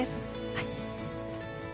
はい。